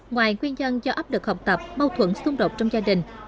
ngoài nguyên nhân do áp lực học tập mâu thuẫn xung đột trong gia đình